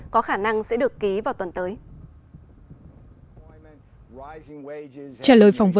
có khả năng sẽ được ký vào tuần tới